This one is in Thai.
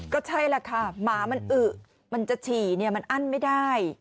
ก็ใช่แหละค่ะหมามันอึมันจะฉี่มันอั้นไม่ได้